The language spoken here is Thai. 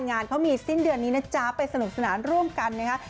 งานเขามีสิ้นเดือนนี้นะจ๊ะไปสนุกสนานร่วมกันนะคะ